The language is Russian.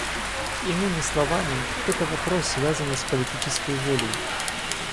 Иными словами, это — вопрос, связанный с политической волей.